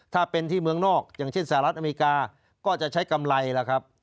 ถ้าเป็นที่เมืองนอกอย่างเช่นสหรัฐอเมริกาก็จะใช้กำไรล่ะครับ